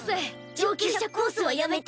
上級者コースはやめて。